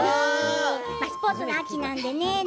スポーツの秋なんでね